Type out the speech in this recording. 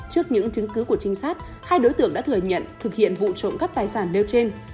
trước những chứng cứ của trinh sát hai đối tượng đã thừa nhận thực hiện vụ trộm cắp tài sản nêu trên